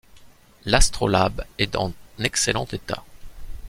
L’astrolabe est en excellent état.